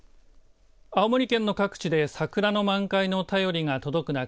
青森県の各地で桜の満開の便りが届く中